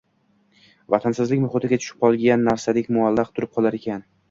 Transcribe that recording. vaznsizlik muhitiga tushib qolgan narsadek muallaq turib qolar ekan.